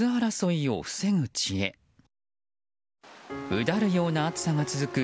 うだるような暑さが続く